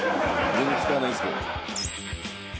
全然使わないですけど。